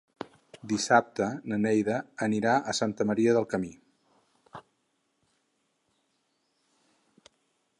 Dissabte na Neida anirà a Santa Maria del Camí.